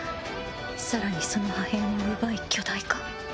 更にその破片を奪い巨大化。